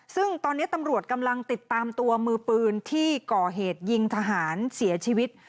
ซึ่งตอนนี้ตำรวจกำลังติดตามตัวมือปืนที่ก่อเหตุยิงทหารเสียชีวิต